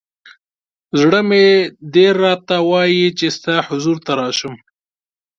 ز ړه مې ډېر راته وایی چې ستا حضور ته راشم.